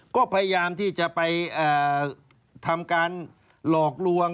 ก็พยายามที่จะไปทำการหลอกลวง